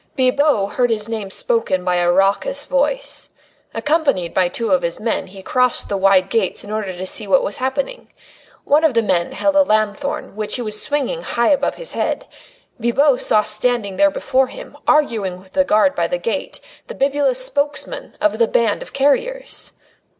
Bibot heard his name spoken by a raucous voice. Accompanied by two of his men he crossed the wide gates in order to see what was happening. One of the men held a lanthorn, which he was swinging high above his head. Bibot saw standing there before him, arguing with the guard by the gate, the bibulous spokesman of the band of carriers.